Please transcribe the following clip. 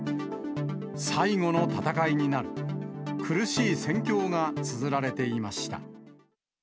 最後の戦いになる、苦しい戦況がつづられていました。